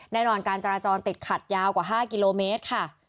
แน่นอนการจราจรติดขัดยาวกว่า๕กิโลเมตรค่ะ